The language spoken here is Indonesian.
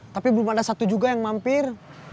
tapi belum ada satu juga yang mampir